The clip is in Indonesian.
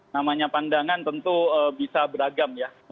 namanya pandangan tentu bisa beragam ya